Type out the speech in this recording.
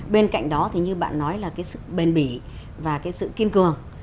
bên cạnh đó thì như bạn nói là cái sự bền bỉ và cái sự kiên cường